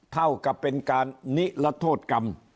เท่ากับเป็นการนิรโทษกรรม